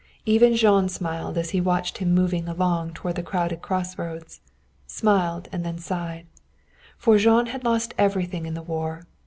Even Jean smiled as he watched him moving along toward the crowded crossroads smiled and then sighed. For Jean had lost everything in the war.